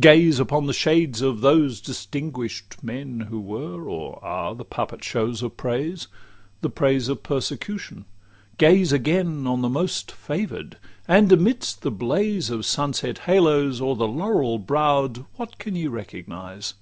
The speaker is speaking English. Gaze Upon the shades of those distinguish'd men Who were or are the puppet shows of praise, The praise of persecution; gaze again On the most favour'd; and amidst the blaze Of sunset halos o'er the laurel brow'd, What can ye recognise?